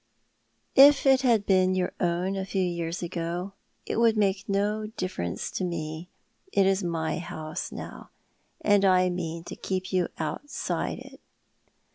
"If it had been your own a few years ago it would make no difference to me. It is my house now, and I mean to keep you outside it."